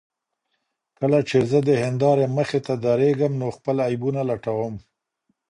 کله چې زه د هندارې مخې ته درېږم نو خپل عیبونه لټوم.